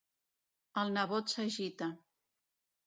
El nebot s'agita.